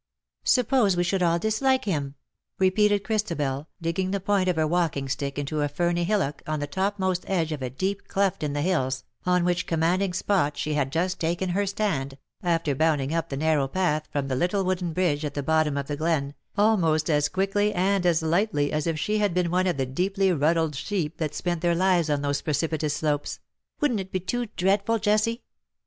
" Suppose we should all dislike him ?'' repeated Christabel, digging the point of her walking stick into a ferny hillock on the topmost edge of a deep cleft in the hills, on which commanding spot she had just taken her stand, after bounding up the narrow path from the little wooden bridge at the bottom of the glen, almost as quickly and as lightly as if she had been one of the deeply ruddled sheep that spent their lives on those precipitous slopes ;" wouldn^t it be too dreadful, Jessie